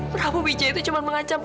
prabu wijaya itu cuma menganggap amira